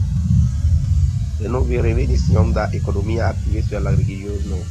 Denove revenis iom da ekonomia aktiveco al la regiono.